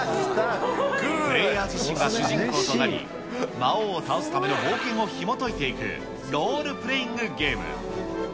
プレーヤー自身が主人公となり、魔王を倒すための冒険をひもといていく、ロールプレイングゲーム。